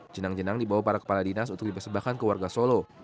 jenang jenang dibawa para kepala dinas untuk dipersembahkan ke warga solo